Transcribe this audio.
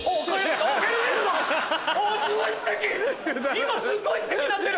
今すっごい奇跡になってる！